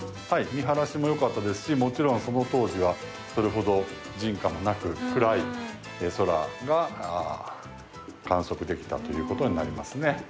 はい見晴らしもよかったですしもちろんその当時はそれほど人家もなく暗い空が観測できたということになりますね。